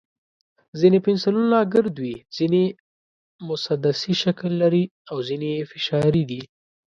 ځینې پنسلونه ګرد وي، ځینې مسدسي شکل لري، او ځینې یې فشاري دي.